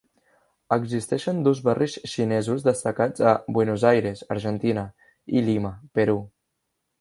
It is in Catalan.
Existeixen dos barris xinesos destacats a Buenos Aires, Argentina i Lima, Perú.